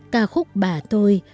cà khúc bà tôi